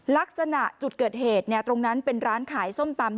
ลักษณะจุดเกิดเหตุตรงนั้นเป็นร้านขายส้มตำ